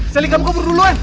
selin kamu kabur duluan